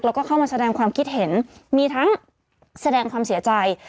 แล้วก็เข้ามาแสดงความคิดเห็นมีทั้งแสดงความเสียใจ